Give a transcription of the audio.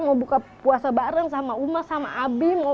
mau buka puasa bareng sama uma sama abi